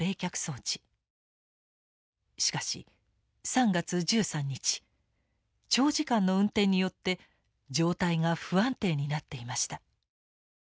しかし３月１３日長時間の運転によって状態が不安定になっていました。